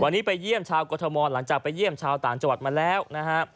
วันนี้ไปเยี่ยมชาวกรทมหลังจากไปเยี่ยมชาวต่างจังหวัดมาแล้วนะฮะ